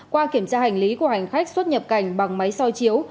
qua kiểm tra hành lý của hành khách xuất nhập cảnh bằng máy soi chiếu